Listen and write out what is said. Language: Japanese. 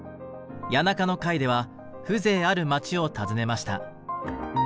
谷中の回では風情ある街を訪ねました。